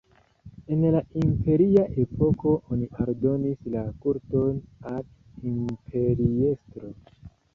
En la imperia epoko oni aldonis la kulton al imperiestro.